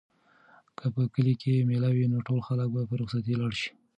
که په کلي کې مېله وي نو ټول خلک به په رخصتۍ لاړ شي.